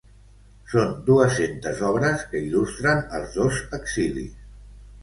Són dues-centes obres que il·lustren els dos exilis.